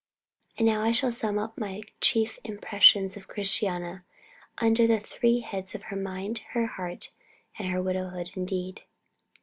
And now I shall sum up my chief impressions of Christiana under the three heads of her mind, her heart, and her widowhood indeed.